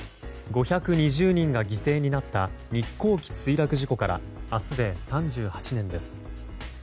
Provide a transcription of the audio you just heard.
５２０人が犠牲になった日航機墜落事故から明日で３８年です。